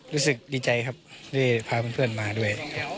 รู้สึกดีใจครับได้พาเพื่อนมาด้วย